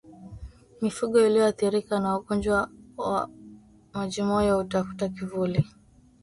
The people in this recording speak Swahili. Mifugo iliyoathirika na ugonjwa wa majimoyo hutafuta kivuli